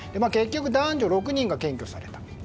結局男女６人が検挙された。